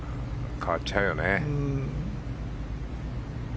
変わっちゃうよね。